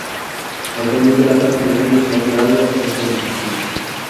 Actualmente la tasa de cambio se ha alterado a causa de la inflación.